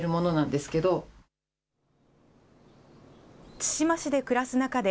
対馬市で暮らす中で、